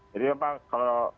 jadi memang kalau